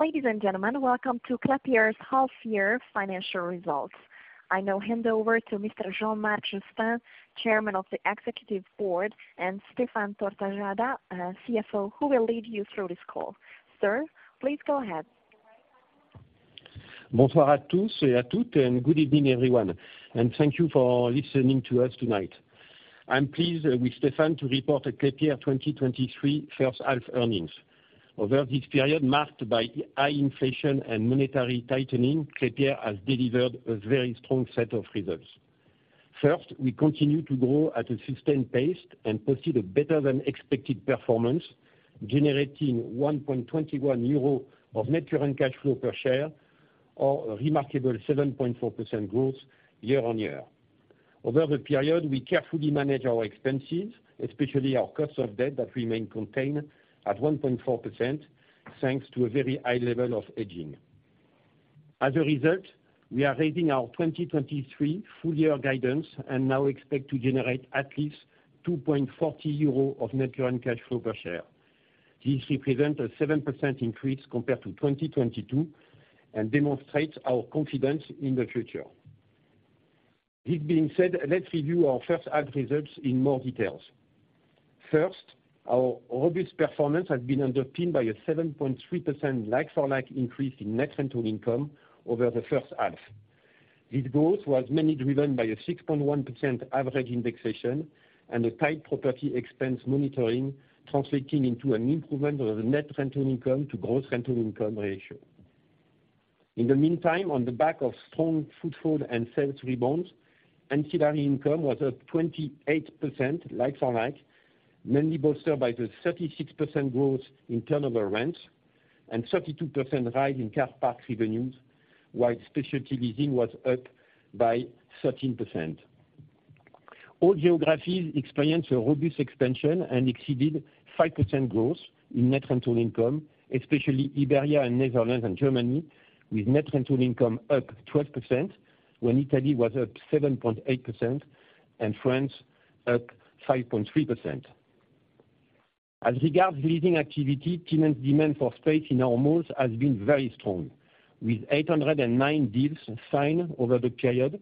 Ladies and gentlemen, welcome to Klépierre's half year financial results. I now hand over to Mr. Jean-Marc Jestin, Chairman of the Executive Board, and Stéphane Tortajada, CFO, who will lead you through this call. Sir, please go ahead. Bonsoir à tous et à toutes, good evening, everyone, and thank you for listening to us tonight. I'm pleased with Stéphane to report a Klépierre 2023 H1 earnings. Over this period, marked by high inflation and monetary tightening, Klépierre has delivered a very strong set of results. First, we continue to grow at a sustained pace and posted a better-than-expected performance, generating 1.21 euro of Net Current Cash Flow Per Share or a remarkable 7.4% growth year-over-year. Over the period, we carefully managed our expenses, especially our cost of debt, that remained contained at 1.4%, thanks to a very high level of hedging. As a result, we are raising our 2023 full year guidance and now expect to generate at least 2.40 euro of Net Current Cash Flow Per Share. This represents a 7% increase compared to 2022 and demonstrates our confidence in the future. This being said, let's review our H1 results in more details. First, our robust performance has been underpinned by a 7.3% like-for-like increase in net rental income over the H1. This growth was mainly driven by a 6.1% average indexation and a tight property expense monitoring, translating into an improvement of the net rental income to gross rental income ratio. In the meantime, on the back of strong footfall and sales rebounds, ancillary income was up 28% like-for-like, mainly bolstered by the 36% growth in turnover rents and 32% rise in car park revenues, while specialty leasing was up by 13%. All geographies experienced a robust expansion and exceeded 5% growth in net rental income, especially Iberia and Netherlands and Germany, with net rental income up 12%, when Italy was up 7.8% and France up 5.3%. As regards leasing activity, tenant demand for space in our malls has been very strong, with 809 deals signed over the period,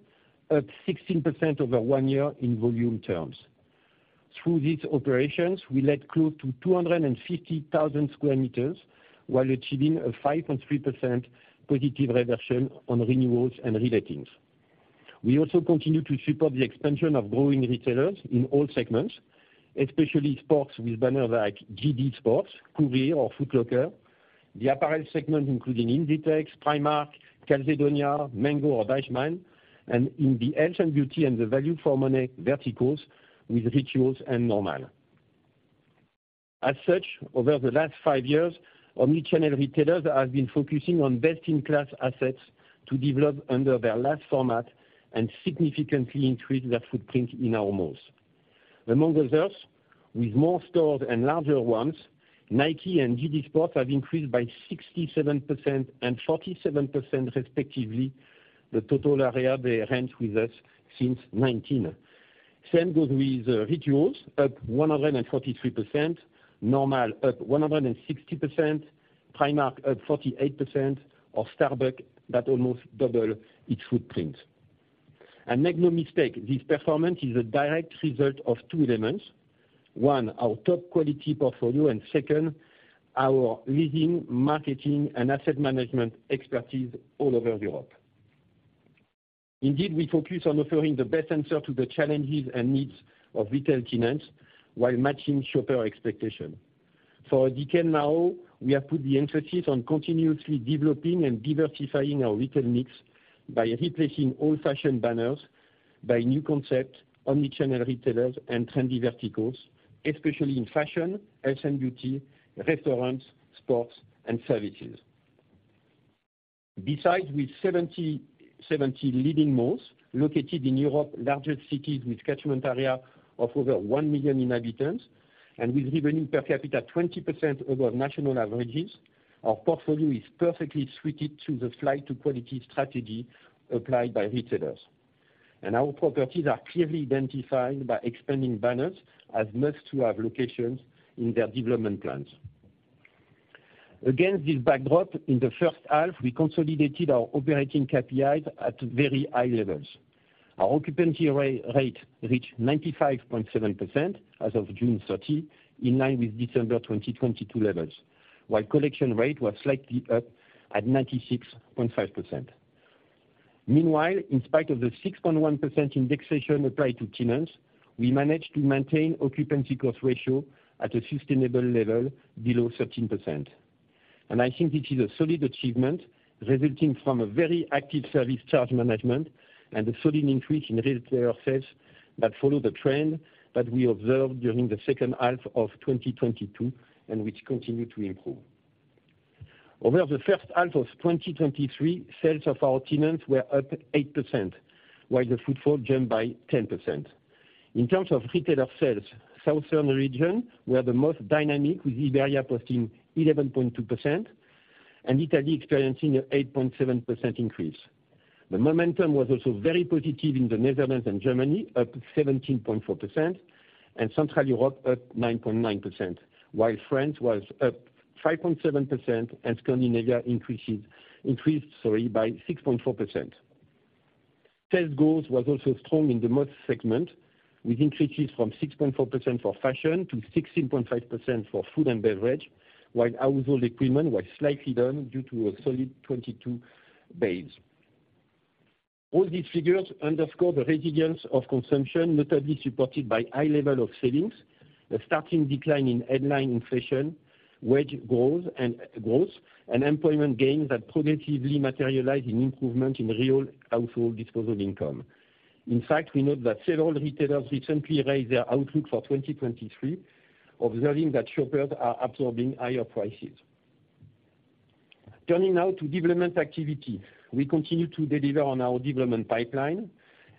up 16% over one year in volume terms. Through these operations, we let close to 250,000 sq m, while achieving a 5.3% positive reversion on renewals and relatings. We also continue to support the expansion of growing retailers in all segments, especially sports, with banners like JD Sports, Courir, or Foot Locker. The apparel segment, including Inditex, Primark, Calzedonia, Mango, or Deichmann, and in the health and beauty and the value for money verticals with Rituals and Normal. As such, over the last 5 years, omni-channel retailers have been focusing on best-in-class assets to develop under their last format and significantly increase their footprint in our malls. Among others, with more stores and larger ones, Nike and JD Sports have increased by 67% and 47%, respectively, the total area they rent with us since 2019. Same goes with Rituals, up 143%, Normal up 160%, Primark up 48%, or Starbucks, that almost double its footprint. Make no mistake, this performance is a direct result of 2 elements. 1, our top quality portfolio, and 2, our leading marketing and asset management expertise all over Europe. Indeed, we focus on offering the best answer to the challenges and needs of retail tenants while matching shopper expectation. For a decade now, we have put the emphasis on continuously developing and diversifying our retail mix by replacing old-fashioned banners, by new concept, omni-channel retailers and trendy verticals, especially in fashion, health and beauty, restaurants, sports, and services. Besides, with 70 leading malls located in Europe, largest cities with catchment area of over 1 million inhabitants and with revenue per capita 20% over national averages, our portfolio is perfectly suited to the flight to quality strategy applied by retailers. Our properties are clearly identified by expanding banners as must-to-have locations in their development plans. Against this backdrop, in the H1, we consolidated our operating KPIs at very high levels. Our occupancy rate reached 95.7% as of June 30, in line with December 2022 levels, while collection rate was slightly up at 96.5%. Meanwhile, in spite of the 6.1% indexation applied to tenants, we managed to maintain occupancy cost ratio at a sustainable level below 13%. I think this is a solid achievement resulting from a very active service charge management and a solid increase in retail sales that follow the trend that we observed during the H2 of 2022, and which continue to improve. Over the H1 of 2023, sales of our tenants were up 8%, while the footfall jumped by 10%. In terms of retailer sales, southern region were the most dynamic, with Iberia posting 11.2% and Italy experiencing an 8.7% increase. The momentum was also very positive in the Netherlands and Germany, up 17.4%, and Central Europe, up 9.9%, while France was up 5.7%, and Scandinavia increased by 6.4%. Sales growth was also strong in the most segment, with increases from 6.4% for fashion to 16.5% for food and beverage, while household equipment was slightly down due to a solid 2022 base. All these figures underscore the resilience of consumption, notably supported by high level of savings, a starting decline in headline inflation, wage growth, and employment gains that progressively materialize in improvement in real household disposable income. In fact, we note that several retailers recently raised their outlook for 2023, observing that shoppers are absorbing higher prices. Turning now to development activity. We continue to deliver on our development pipeline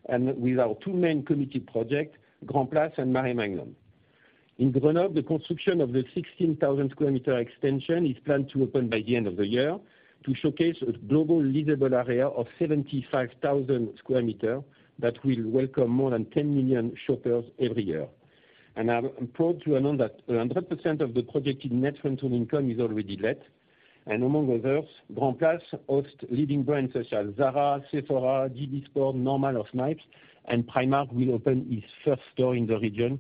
and with our two main committed projects, Grand Place and Maremagnum. In Grenoble, the construction of the 16,000 square meters extension is planned to open by the end of the year to showcase a global leasable area of 75,000 sq m that will welcome more than 10 million shoppers every year. I'm proud to announce that 100% of the projected net rental income is already let. Among others, Grand Place hosts leading brands such as Zara, Sephora, JD Sports, Normal or Snipes, and Primark will open its first store in the region,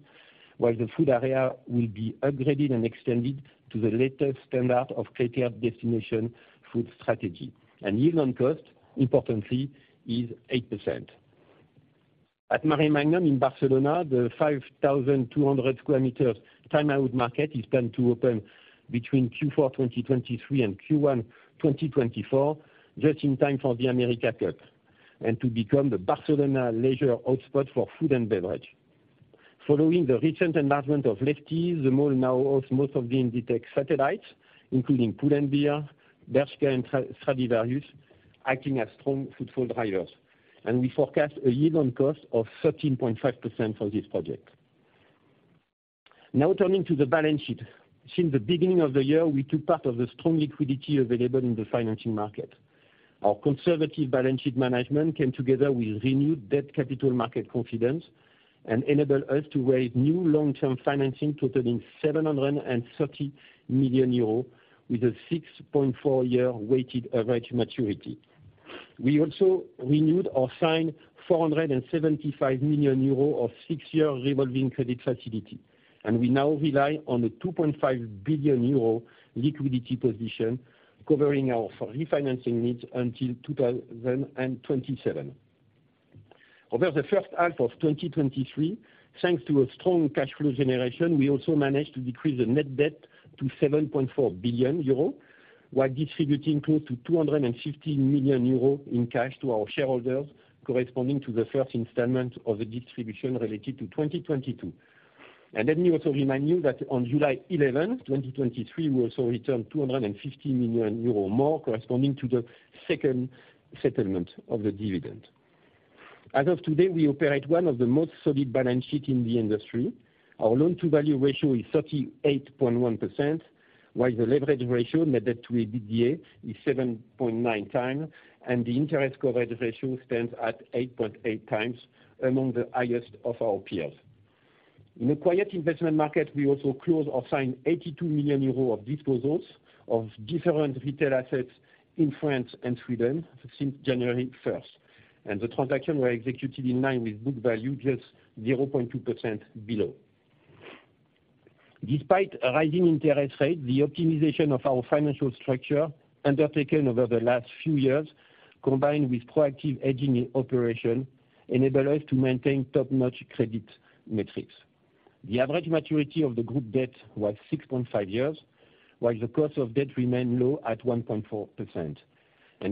while the food area will be upgraded and extended to the latest standard of Klépierre Destination Food strategy. Yield on cost, importantly, is 8%. At Maremagnum in Barcelona, the 5,200 sq m Time Out Market is planned to open between Q4 2023 and Q1 2024, just in time for the America's Cup, to become the Barcelona leisure hotspot for food and beverage. Following the recent enlargement of Lefties, the mall now hosts most of the Inditex satellites, including Pull&Bear, Bershka and Stradivarius, acting as strong footfall drivers. We forecast a yield on cost of 13.5% for this project. Now turning to the balance sheet. Since the beginning of the year, we took part of the strong liquidity available in the financing market. Our conservative balance sheet management came together with renewed debt capital market confidence and enabled us to raise new long-term financing totaling 730 million euros, with a 6.4-year weighted average maturity. We also renewed or signed 475 million euro of 6-year revolving credit facility, and we now rely on a 2.5 billion euro liquidity position covering our refinancing needs until 2027. Over the H1 of 2023, thanks to a strong cash flow generation, we also managed to decrease the net debt to 7.4 billion euro, while distributing close to 250 million euro in cash to our shareholders, corresponding to the first installment of the distribution related to 2022. Let me also remind you that on July 11, 2023, we also returned 250 million euro more, corresponding to the second settlement of the dividend. As of today, we operate one of the most solid balance sheet in the industry. Our loan-to-value ratio is 38.1%, while the leverage ratio, net debt to EBITDA, is 7.9x, and the interest coverage ratio stands at 8.8x, among the highest of our peers. In a quiet investment market, we also closed or signed 82 million euros of disposals of different retail assets in France and Sweden since January 1st, the transaction were executed in line with book value, just 0.2% below. Despite a rising interest rate, the optimization of our financial structure, undertaken over the last few years, combined with proactive hedging operation, enable us to maintain top-notch credit metrics. The average maturity of the group debt was 6.5 years, while the cost of debt remained low at 1.4%.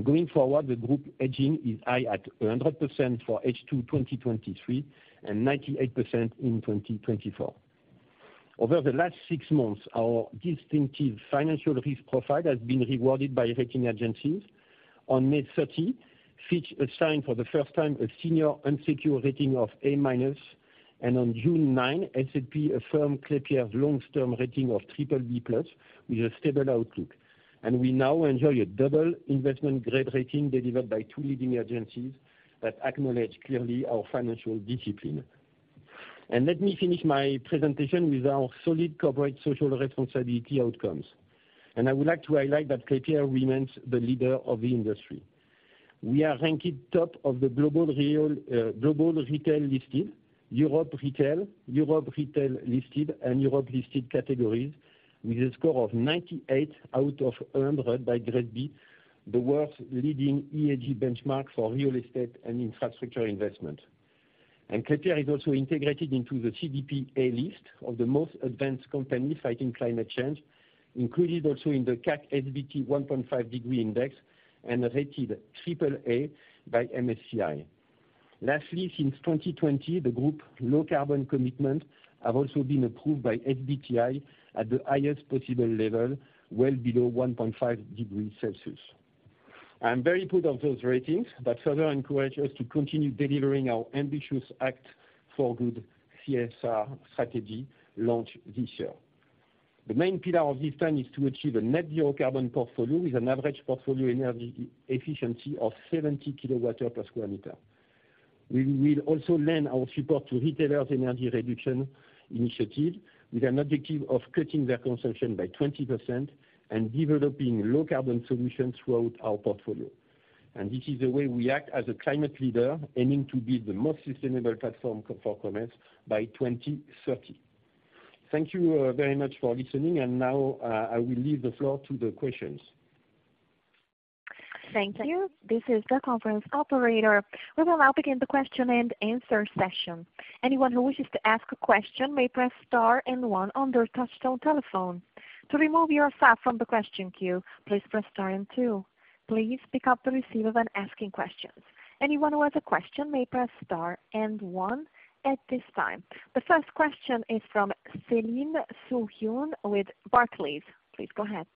Going forward, the group hedging is high at 100% for H2 2023 and 98% in 2024. Over the last 6 months, our distinctive financial risk profile has been rewarded by rating agencies. On May 30, Fitch assigned for the first time a senior unsecured rating of A-, on June 9, S&P affirmed Klépierre's long-term rating of BBB+ with a stable outlook. We now enjoy a double investment grade rating delivered by 2 leading agencies that acknowledge clearly our financial discipline. Let me finish my presentation with our solid corporate social responsibility outcomes. I would like to highlight that Klépierre remains the leader of the industry. We are ranked top of the global real, global retail listed, Europe retail, Europe retail listed, and Europe listed categories, with a score of 98 out of 100 by GRESB, the world's leading ESG benchmark for real estate and infrastructure investment. Klépierre is also integrated into the CDP A list of the most advanced companies fighting climate change, included also in the CAC SBT 1.5 degree Index and rated triple A by MSCI. Lastly, since 2020, the group Low Carbon Commitment have also been approved by SBTi at the highest possible level, well below 1.5 degrees Celsius. I am very proud of those ratings, that further encourage us to continue delivering our ambitious Act for Good CSR strategy launched this year. The main pillar of this plan is to achieve a net-zero carbon portfolio with an average portfolio energy efficiency of 70 kWh per square meter. We will also lend our support to retailers energy reduction initiative, with an objective of cutting their consumption by 20% and developing low carbon solutions throughout our portfolio. This is the way we act as a climate leader, aiming to be the most sustainable platform for commerce by 2030. Thank you very much for listening, and now I will leave the floor to the questions. Thank you. This is the conference operator. We will now begin the question and answer session. Anyone who wishes to ask a question may press star and one on their touchtone telephone. To remove yourself from the question queue, please press star and two. Please pick up the receiver when asking questions. Anyone who has a question may press star and one at this time. The first question is from Céline Soo-Huynh with Barclays. Please go ahead.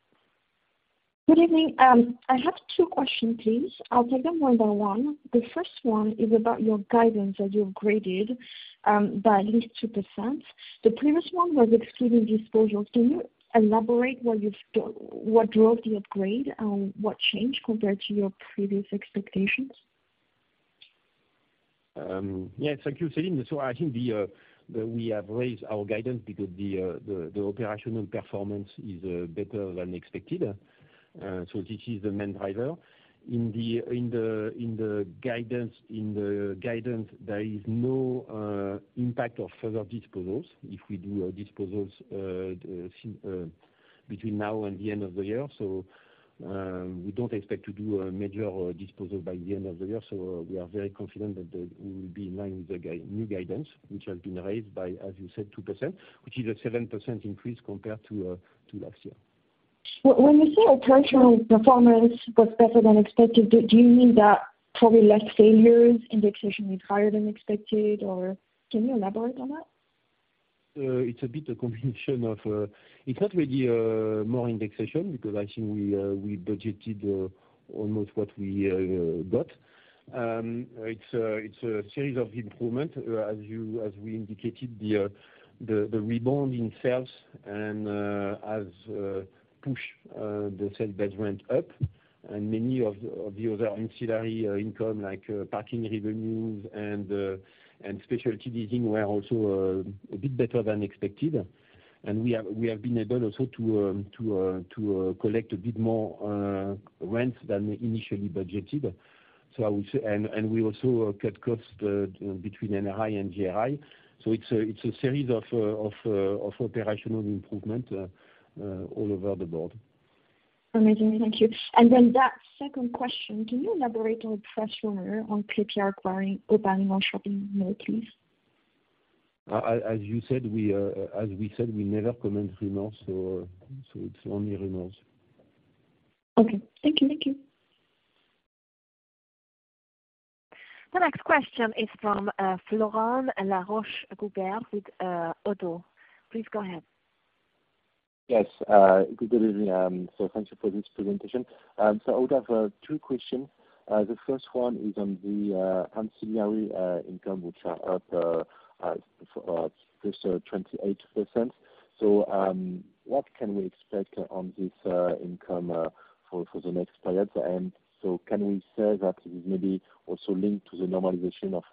Good evening. I have two questions, please. I'll take them one by one. The first one is about your guidance that you upgraded by 2%. The previous one was excluding disposals. Can you elaborate what you've, what drove the upgrade? What changed compared to your previous expectations? Yes, thank you, Céline. I think the that we have raised our guidance because the the operational performance is better than expected. This is the main driver. In the guidance, in the guidance, there is no impact of further disposals. If we do disposals between now and the end of the year, we don't expect to do a major disposal by the end of the year. We are very confident that the we will be in line with the new guidance, which has been raised by, as you said, 2%, which is a 7% increase compared to last year. When you say operational performance was better than expected, do you mean that probably less failures, indexation is higher than expected, or can you elaborate on that? It's a bit a combination of, it's not really, more indexation, because I think we, we budgeted, almost what we, got. It's a, it's a series of improvement, as you, as we indicated, the, the, the rebound in sales has pushed the same sales rent up, many of the, of the other ancillary income, like parking revenues and specialty leasing were also a bit better than expected. We have, we have been able also to collect a bit more rent than initially budgeted. I would say, we also cut costs between NRI and GRI. It's a, it's a series of, of, of operational improvement, all over the board. Amazing. Thank you. That second question, can you elaborate on press rumor on KKR acquiring or planning on shopping mall, please? As you said, we, as we said, we never comment rumors, so, so it's only rumors. Okay. Thank you. Thank you. The next question is from, Florent Laroche-Joubert with, ODDO. Please go ahead. Yes, good evening. Thank you for this presentation. Out of 2 questions, the first one is on the ancillary income, which are up for this 28%. What can we expect on this income for the next period? Can we say that it is maybe also linked to the normalization of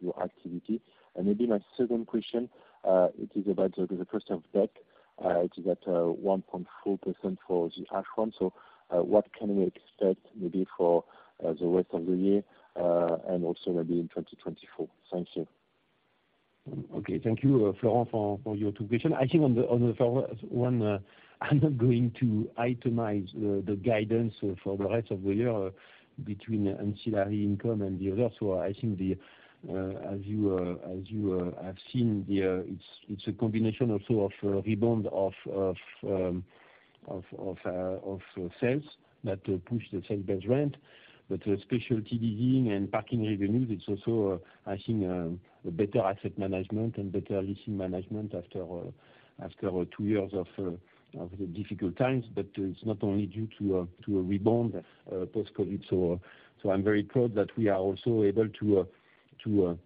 your activity? Maybe my second question, it is about the cost of debt. It is at 1.4% for the H1. What can we expect maybe for the rest of the year and also maybe in 2024? Thank you. Okay. Thank you, Florent, for, for your 2 questions. I think on the one, I'm not going to itemize the, the guidance for the rest of the year between ancillary income and the other. I think the, as you, as you, have seen the, it's, it's a combination also of, rebound of, of, of, of sales that push the sales base rent. The specialty leasing and parking revenues, it's also, I think, a better asset management and better leasing management after, after 2 years of, of the difficult times. It's not only due to a, to a rebound, post-COVID. I'm very proud that we are also able to, to,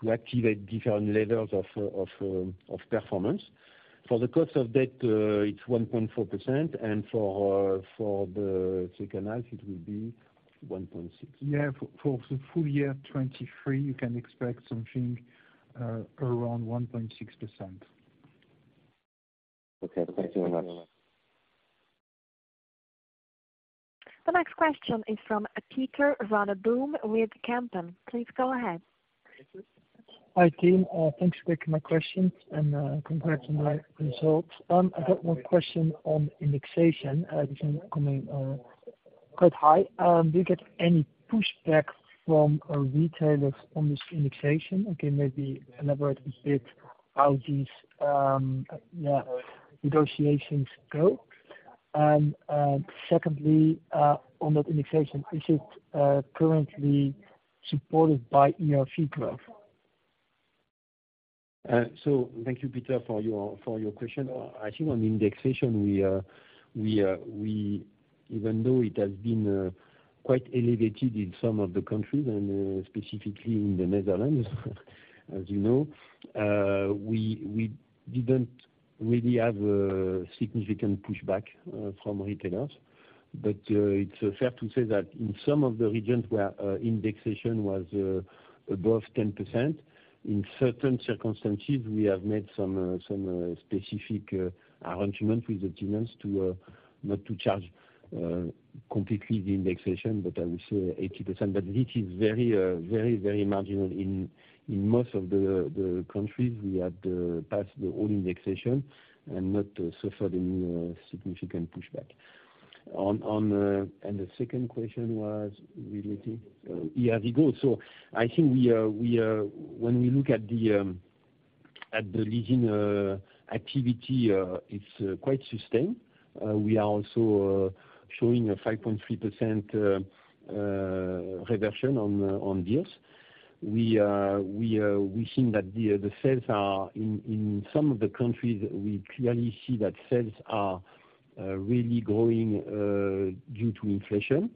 to activate different levels of, of, of performance. For the cost of debt, it's 1.4%, and for, for the H2, it will be 1.6%. Yeah, for, for the full year 2023, you can expect something, around 1.6%. Okay. Thank you very much. The next question is from Pieter van der Voort with Kempen. Please go ahead. Hi, team. Thanks for taking my question, and congrats on the results. I got one question on indexation, which is coming quite high. Do you get any pushback from our retailers on this indexation? Again, maybe elaborate a bit how these, yeah, negotiations go? Secondly, on that indexation, is it currently supported by ERV growth?... Thank you, Pieter, for your question. I think on indexation, we, even though it has been quite elevated in some of the countries, and specifically in the Netherlands, as you know, we didn't really have a significant pushback from retailers. It's fair to say that in some of the regions where indexation was above 10%, in certain circumstances, we have made some specific arrangement with the tenants to not to charge completely the indexation, but I will say 80%. This is very, very, very marginal in most of the countries we had passed the all indexation and not suffered any significant pushback. On, on, the second question was related ERVs. So I think we, we, when we look at the, at the leasing, activity, it's quite sustained. We are also showing a 5.3% reversion on the, on deals. We, we, we think that the, the sales are in, in some of the countries, we clearly see that sales are really growing due to inflation.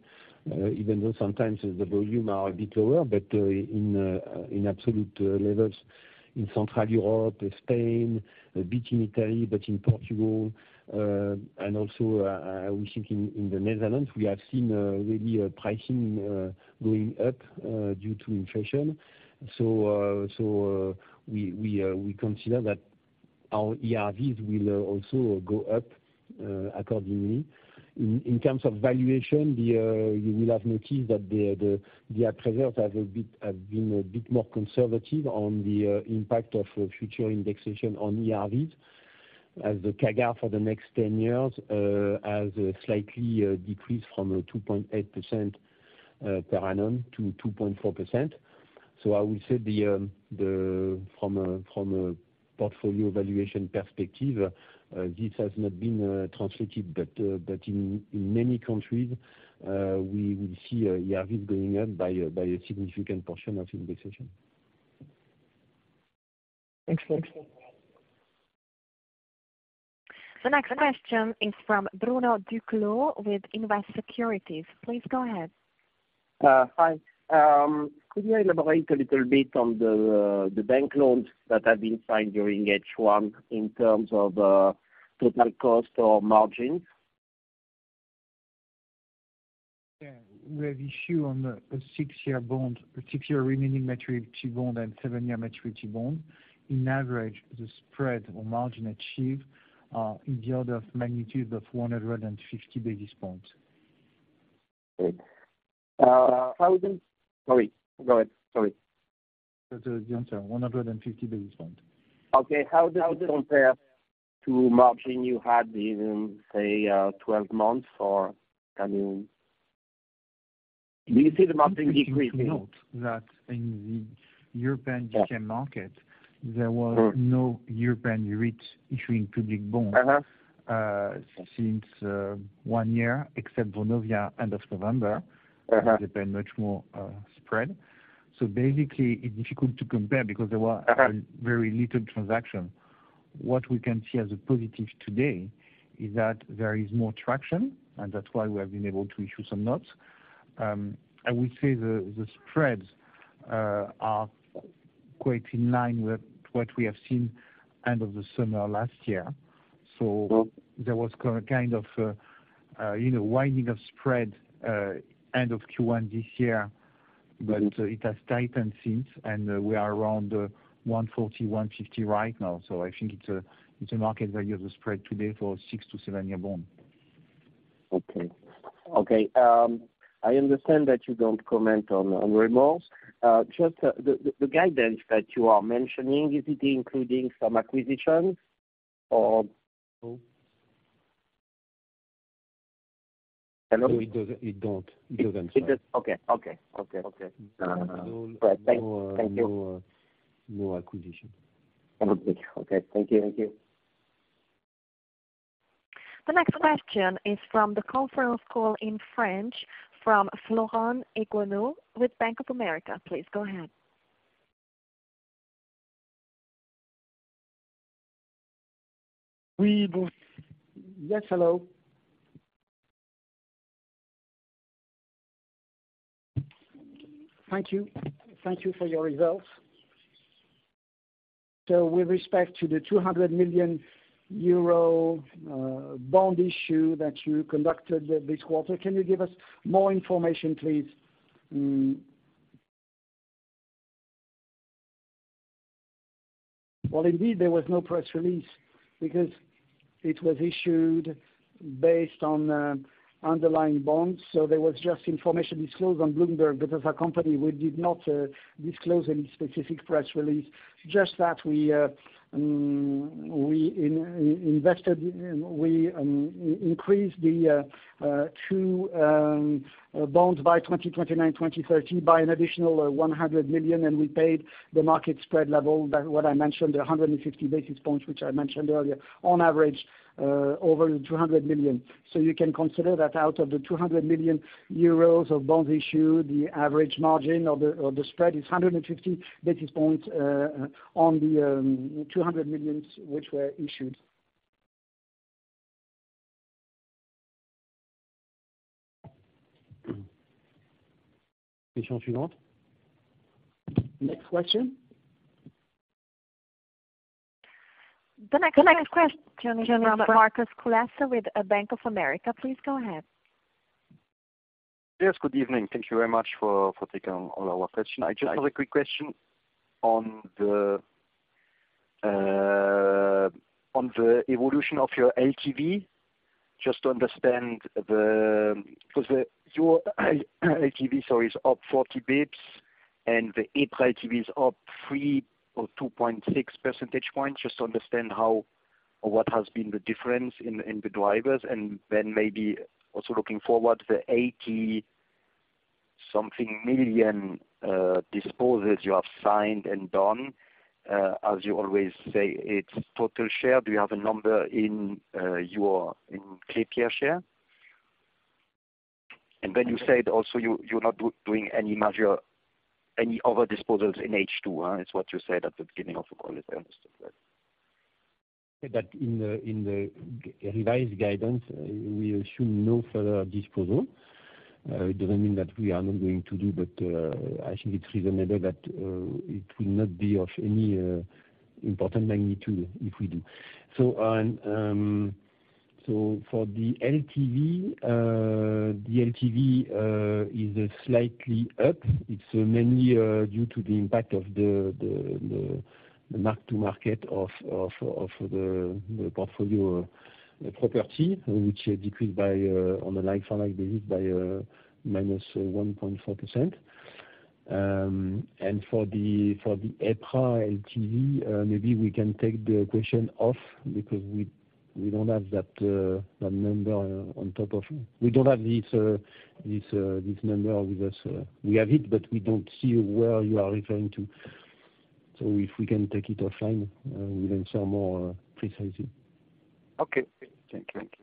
Even though sometimes the volume are a bit lower, but in, in absolute levels, in Central Europe, Spain, a bit in Italy, but in Portugal, and also, I would think in, in the Netherlands, we have seen really pricing going up due to inflation. We, we consider that our ERVs will also go up accordingly. In terms of valuation, the, you will have noticed that the appetizers have been a bit more conservative on the impact of future indexation on ERVs, as the CAGR for the next 10 years has slightly decreased from 2.8% per annum to 2.4%. I would say the, from a portfolio valuation perspective, this has not been translated, but in many countries, we will see ERVs going up by a significant portion of indexation. Thanks. The next question is from Bruno Duclos with Invest Securities. Please go ahead. Hi. Could you elaborate a little bit on the bank loans that have been signed during H1 in terms of total cost or margin? Yeah, we have issue on a six-year bond, a six-year remaining maturity bond and seven-year maturity bond. In average, the spread or margin achieved in the order of magnitude of 150 basis points. how does... Sorry, go ahead. Sorry. The answer, 150 basis points. Okay. How does it compare to margin you had in, say, 12 months, or I mean, do you see the margin decreasing? Note that in the European IG market, there was no European REIT issuing public bonds. Uh-huh... since one year, except Vonovia, end of November. Uh-huh. Depend much more, spread. basically, it's difficult to compare, because Uh-huh... very little transaction. What we can see as a positive today, is that there is more traction, and that's why we have been able to issue some notes. I would say the, the spreads are quite in line with what we have seen end of the summer last year. Mm-hmm. There was you know, widening of spread, end of Q1 this year. Mm-hmm. It has tightened since, and we are around 140-150 right now. I think it's a, it's a market value of the spread today for 6 to 7-year bond. Okay. Okay, I understand that you don't comment on, on remorse. Just the guidance that you are mentioning, is it including some acquisitions, or? No. Hello? It does, it don't. It doesn't. Okay, okay, okay, okay. No. Thank, thank you. No, no acquisition. Okay. Thank you, thank you. The next question is from the conference call in French from Florent Guinot with Bank of America. Please go ahead. Yes, hello. Thank you. Thank you for your results. With respect to the 200 million euro bond issue that you conducted this quarter, can you give us more information, please? Well, indeed, there was no press release, because it was issued based on underlying bonds. There was just information disclosed on Bloomberg, but as a company, we did not disclose any specific press release. Just that we invested, we increased the two bonds by 2029, 2030, by an additional 100 million, and we paid the market spread level, by what I mentioned, 150 basis points, which I mentioned earlier, on average, over the 200 million. You can consider that out of the 200 million euros of bonds issued, the average margin or the, or the spread is 150 basis points on the 200 million, which were issued. Next question? The next, next question is from Markus Kulessa with Bank of America. Please go ahead. Yes, good evening. Thank you very much for taking all our questions. I just have a quick question on the on the evolution of your LTV. Just to understand the, 'cause your LTV, so is up 40 basis points, and the EPRA LTV is up 3 or 2.6 percentage points. Just to understand how or what has been the difference in the drivers, and then maybe also looking forward, the 80 something million disposals you have signed and done, as you always say, it's total share. Do you have a number in your, in Klépierre share? And then you said also you, you're not doing any major, any other disposals in H2, it's what you said at the beginning of the call, if I understood that. That in the revised guidance, we assume no further disposal. It doesn't mean that we are not going to do, but I think it's reasonable that it will not be of any important magnitude if we do. For the LTV, the LTV is slightly up. It's mainly due to the impact of the mark to market of the portfolio property, which decreased by, on a like-for-like basis, by -1.4%. For the EPRA LTV, maybe we can take the question off because we don't have that number on top of... We don't have this number with us. We have it, but we don't see where you are referring to. If we can take it offline, we can share more precisely. Okay. Thank you. Thank you.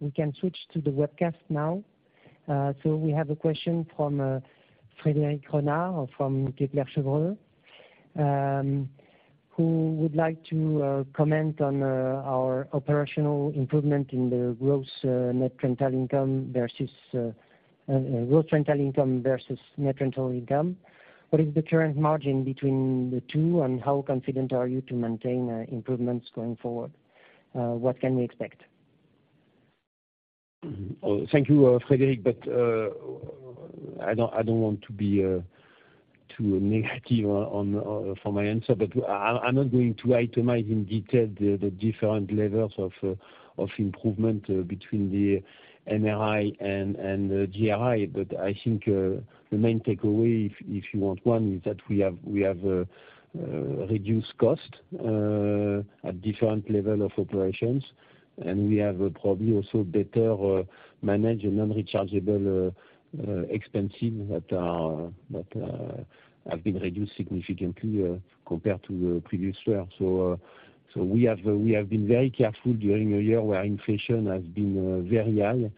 We can switch to the webcast now. We have a question from Frédéric Renard, from Kepler Cheuvreux, who would like to comment on our operational improvement in the gross net rental income versus gross rental income versus net rental income. What is the current margin between the 2, and how confident are you to maintain improvements going forward? What can we expect? Oh, thank you, Frédéric, but I don't want to be too negative on for my answer, but I'm not going to itemize in detail the different levels of improvement between the MRI and GRI. I think the main takeaway, if, if you want one, is that we have reduced cost at different level of operations. We have probably also better managed and non-rechargeable expenses that are have been reduced significantly compared to the previous year. We have been very careful during a year where inflation has been very high,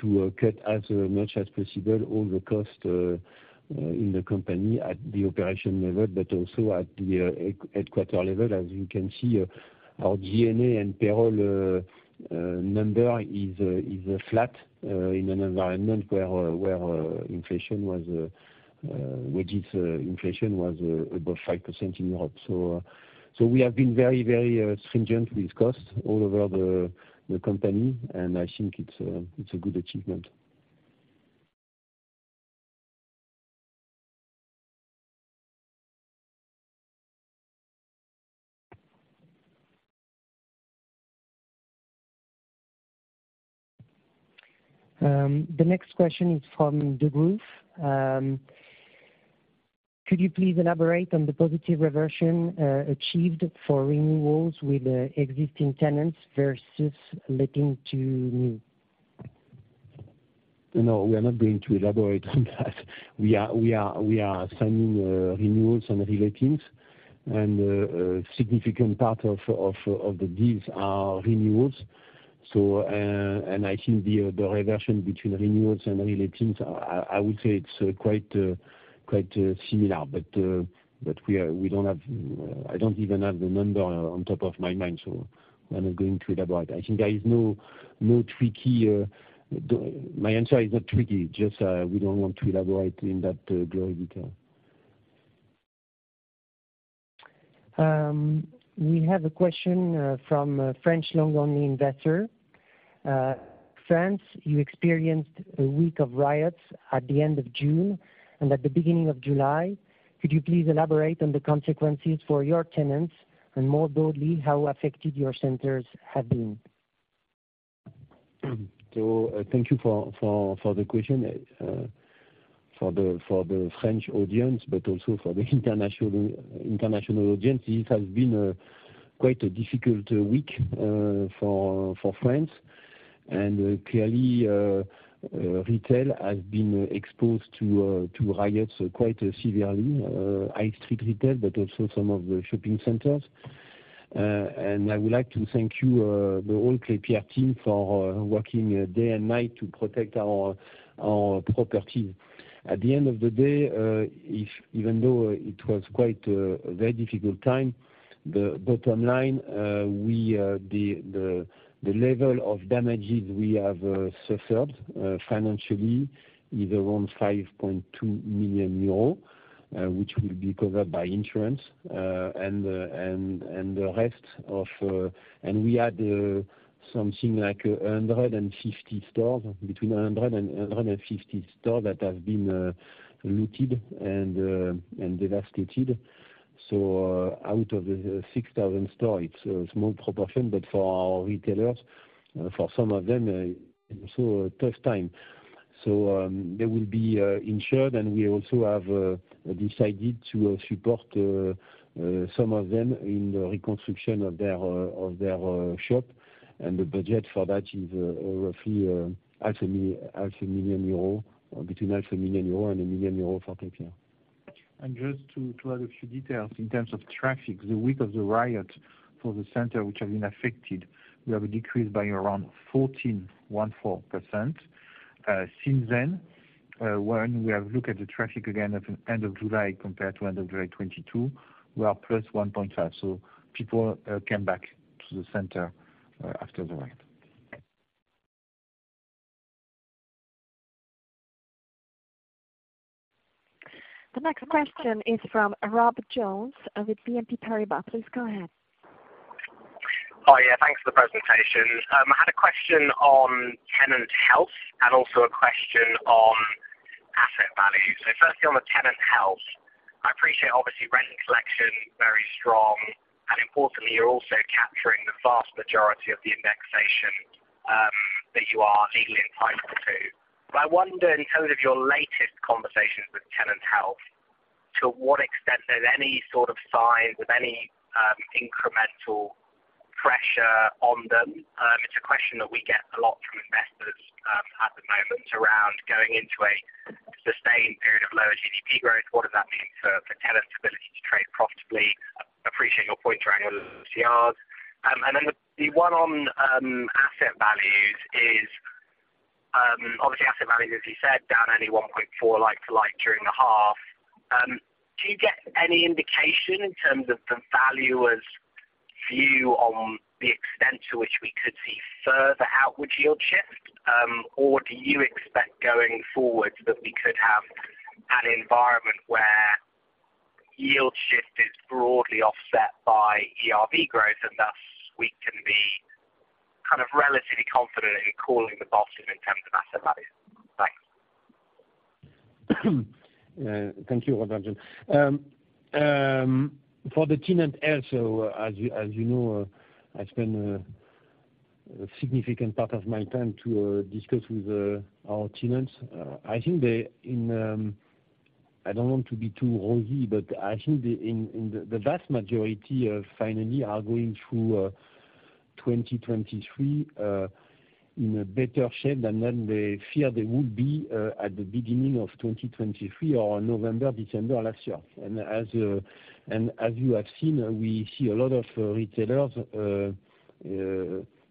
to cut as much as possible all the cost in the company at the operation level, but also at the headquarter level. As you can see, our G&A and payroll number is flat in an environment where inflation was wages inflation was above 5% in Europe. So we have been very, very stringent with costs all over the company, and I think it's a good achievement. The next question is from Degroof. Could you please elaborate on the positive reversion achieved for renewals with existing tenants versus letting to new? No, we are not going to elaborate on that. We are signing renewals and relatings, and a significant part of these are renewals. I think the reversion between renewals and relatings, I would say it's quite similar. We don't have, I don't even have the number on top of my mind, so I'm not going to elaborate. I think there is no tricky. My answer is not tricky, just we don't want to elaborate in that gory detail. We have a question from a French long-only investor. France, you experienced a week of riots at the end of June and at the beginning of July. Could you please elaborate on the consequences for your tenants, and more broadly, how affected your centers have been? Thank you for, for, for the question, for the, for the French audience, but also for the international, international audience. It has been a quite a difficult week, for, for France. Clearly, retail has been exposed to riots quite severely. High street retail, but also some of the shopping centers. I would like to thank you, the whole Klépierre team for working day and night to protect our, our properties. At the end of the day, if even though it was quite a very difficult time, the bottom line, we, the, the, the level of damages we have suffered financially is around 5.2 million euro, which will be covered by insurance. We had something like 150 stores, between 100 and 150 stores that have been looted and devastated. Out of the 6,000 stores, it's a small proportion, but for our retailers, for some of them, so tough time. They will be insured, and we also have decided to support some of them in the reconstruction of their of their shop. The budget for that is roughly half a million euro, between half a million euro and 1 million euro for Klépierre. Just to, to add a few details, in terms of traffic, the week of the riot for the center, which has been affected, we have decreased by around 14%. Since then, when we have looked at the traffic again at the end of July compared to end of July 2022, we are +1.5. People came back to the center after the riot. The next question is from Rob Jones with BNP Paribas. Please go ahead. Hi, yeah, thanks for the presentation. I had a question on tenant health and also a question on asset value. Firstly, on the tenant health, I appreciate, obviously, rent collection very strong, and importantly, you're also capturing the vast majority of the indexation that you are legally entitled to. I wonder, in terms of your latest conversations with tenant health, to what extent there's any sort of sign of any incremental pressure on them? It's a question that we get a lot from investors at the moment around going into a sustained period of lower GDP growth. What does that mean for, for tenant's ability to trade profitably? Appreciate your point around yards. Then the one on asset values is obviously asset values, as you said, down only 1.4, like-for-like, during the half. Do you get any indication in terms of the valuers view on the extent to which we could see further outward yield shift? Do you expect going forward, that we could have an environment where yield shift is broadly offset by ERV growth, and thus we can be kind of relatively confident in calling the bottom in terms of asset value? Thanks. Thank you, Rob Jones. For the tenant health, so as you, as you know, I spend a significant part of my time to discuss with our tenants. I think they in, I don't want to be too rosy, but I think the, in the vast majority of finally are going through 2023 in a better shape than they fear they would be at the beginning of 2023 or November, December last year. As you have seen, we see a lot of retailers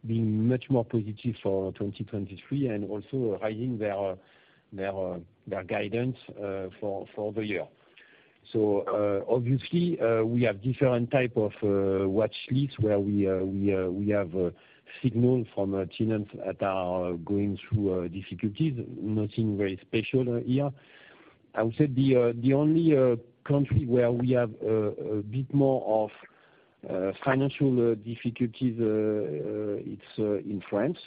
being much more positive for 2023 and also raising their guidance for the year. Obviously, we have different type of watch lists where we, we, we have signal from our tenants that are going through difficulties. Nothing very special here. I would say the only country where we have a bit more of financial difficulties, it's in France,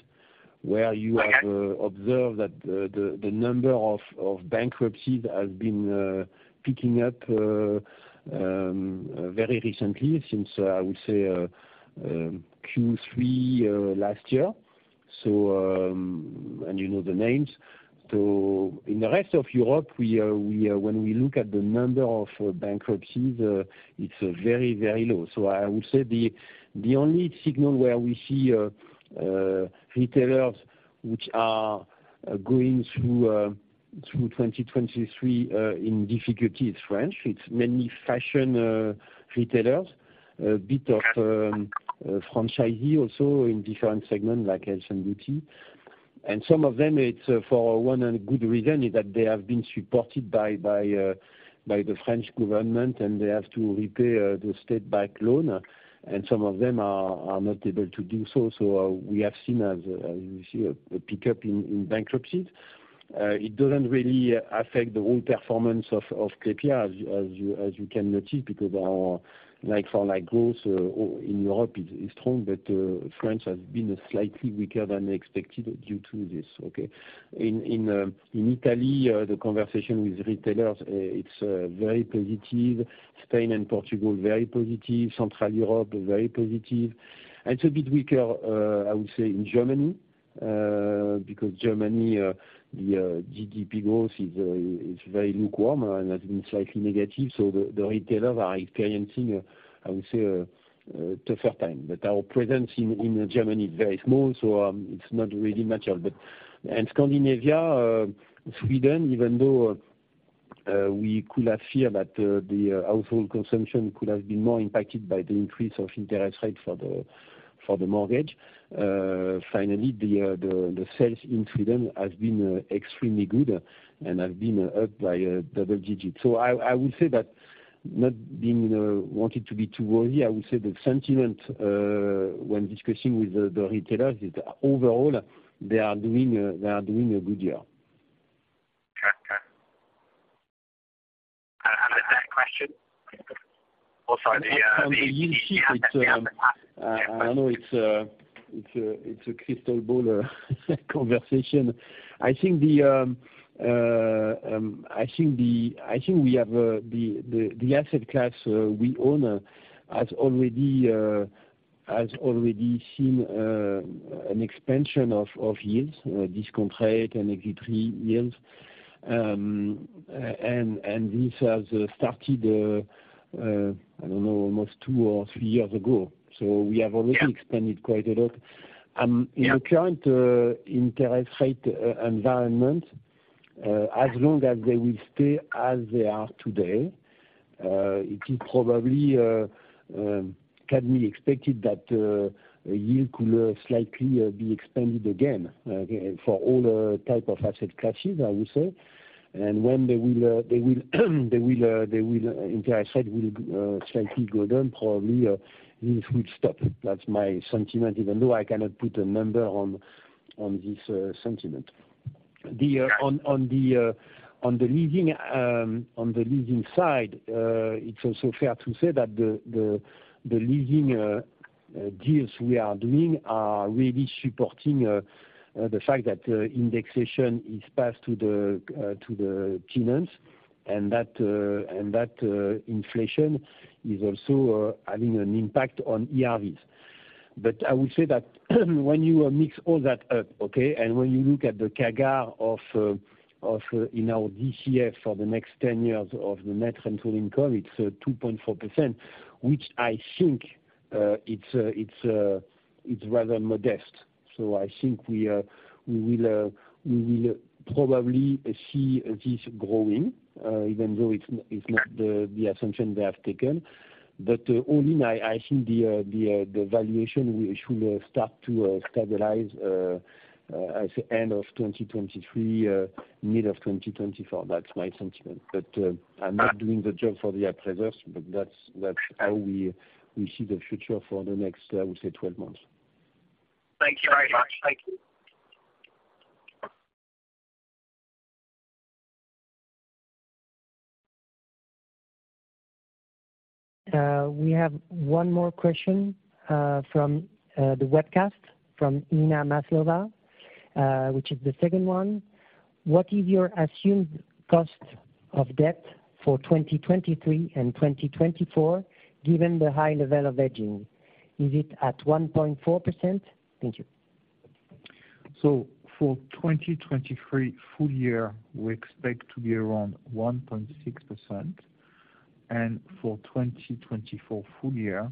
where you have... Okay. observed that the, the, the number of, of bankruptcies has been picking up very recently, since, I would say, Q3 last year. You know the names. In the rest of Europe, we, we, when we look at the number of bankruptcies, it's very, very low. I would say the, the only signal where we see retailers, which are going through through 2023 in difficulty, it's French. It's mainly fashion retailers, a bit of franchisee also in different segments, like health and beauty. Some of them, it's for one and good reason, is that they have been supported by, by the French government, and they have to repay the state bank loan, and some of them are, are not able to do so. We have seen as, as you see, a pickup in, in bankruptcies. It doesn't really affect the whole performance of Klépierre, as you, as you, as you can notice, because our like-for-like growth in Europe is strong, France has been a slightly weaker than expected due to this, okay. In Italy, the conversation with retailers, it's very positive. Spain and Portugal, very positive. Central Europe, very positive. It's a bit weaker, I would say, in Germany, because Germany, the GDP growth is very lukewarm and has been slightly negative, so the, the retailers are experiencing, I would say, a, a tougher time. Our presence in, in Germany is very small, so it's not really mature. Scandinavia, Sweden, even though we could have fear that the household consumption could have been more impacted by the increase of interest rates for the mortgage, finally, the sales in Sweden has been extremely good and have been up by double digits. I, I would say that not being wanted to be too worried, I would say the sentiment when discussing with the retailers is overall, they are doing, they are doing a good year. Okay. and, and the third question? Also, the I know it's a crystal ball conversation. I think we have the asset class we own has already seen an expansion of yields, discount rate and exit yields. This has started, I don't know, almost two or three years ago. We have already. Yeah... expanded quite a lot. Yeah. In the current interest rate environment, as long as they will stay as they are today, it is probably, can be expected that a yield could slightly be expanded again for all type of asset classes, I would say. When they will, they will, they will, they will, interest rate will slightly go down, probably, this will stop. That's my sentiment, even though I cannot put a number on this sentiment. Yeah. On the leasing side, it's also fair to say that the leasing deals we are doing are really supporting the fact that indexation is passed to the tenants. That inflation is also having an impact on ERVs. I would say that, when you mix all that up, okay, when you look at the CAGR of in our DCF for the next 10 years of the net rental income, it's 2.4%, which I think it's rather modest. I think we will probably see this growing even though it's not the assumption they have taken. All in, I, I think the, the, the valuation we should, start to, stabilize, at the end of 2023, mid of 2024. That's my sentiment. I'm not doing the job for the appraisers, but that's, that's how we, we see the future for the next, I would say 12 months. Thank you very much. Thank you. We have one more question from the webcast, from Ina Maslova, which is the second one: What is your assumed cost of debt for 2023 and 2024, given the high level of hedging? Is it at 1.4%? Thank you. For 2023 full year, we expect to be around 1.6%, and for 2024 full year,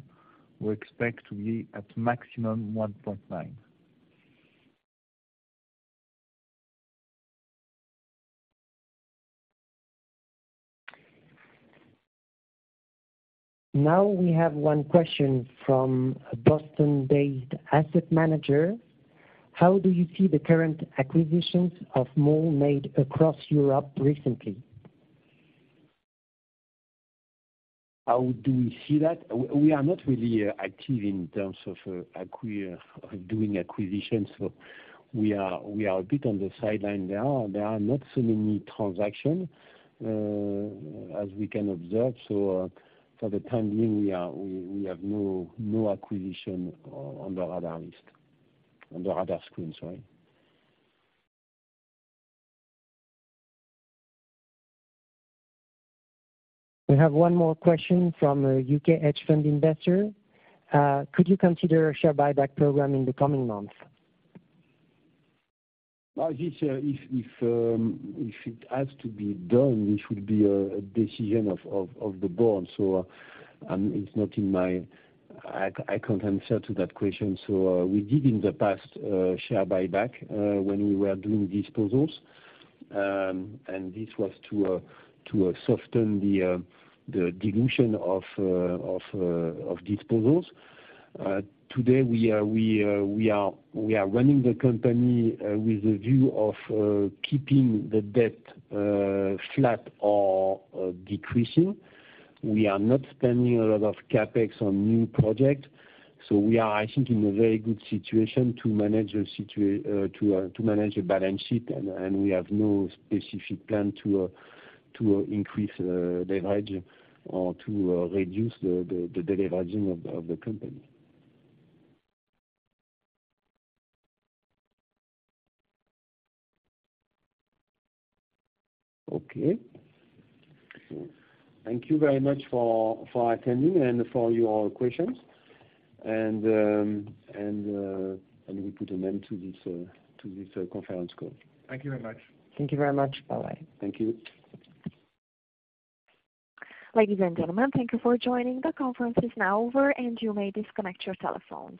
we expect to be at maximum 1.9%. Now, we have one question from a Boston-based asset manager: How do you see the current acquisitions of mall made across Europe recently? How do we see that? We are not really active in terms of acqui- doing acquisitions. We are, we are a bit on the sideline. There are, there are not so many transactions as we can observe. For the time being, we, we have no, no acquisition on the radar list. On the radar screen, sorry. We have one more question from a U.K. hedge fund investor: could you consider a share buyback program in the coming months? This, if, if it has to be done, this would be a decision of the board. It's not in my... I, I can't answer to that question. We did in the past share buyback when we were doing disposals, and this was to soften the dilution of disposals. Today we are running the company with a view of keeping the debt flat or decreasing. We are not spending a lot of CapEx on new projects, so we are, I think, in a very good situation to manage a balance sheet. And we have no specific plan to increase leverage or to reduce the deleveraging of the company. Okay. Thank you very much for for attending and for your questions. And we put an end to this to this conference call. Thank you very much. Thank you very much. Bye-bye. Thank you. Ladies and gentlemen, thank you for joining. The conference is now over, and you may disconnect your telephones.